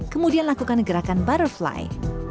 kemudian lakukan gerakan butterfly